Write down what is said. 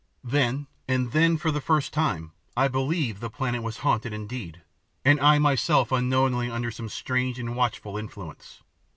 Then, and then for the first time, I believed the planet was haunted indeed, and I myself unknowingly under some strange and watchful influence.